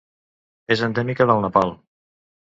És endèmica del Nepal.